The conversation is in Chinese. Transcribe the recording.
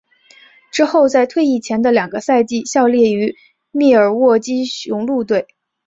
之后在退役前的两个赛季效力于密尔沃基雄鹿队。